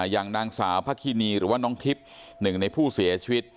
อย่างนางสาวพระคินีหรือว่าน้องทิพย์หนึ่งในผู้เสียชีวิต